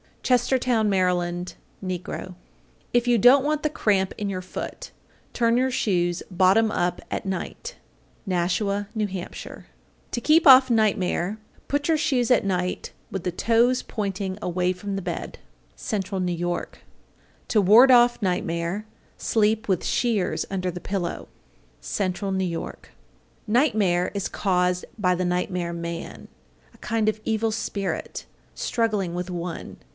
Chestertown, Md. (negro). 824. If you don't want the cramp in your foot, turn your shoes bottom up at night. Nashua, N.H. 825. To keep off nightmare, put your shoes at night with the toes pointing away from the bed. Central New York. 826. To ward off nightmare, sleep with shears under the pillow. Central New York. 827. Nightmare is caused by the nightmare man, a kind of evil spirit, struggling with one.